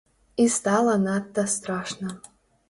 І стала надта страшна.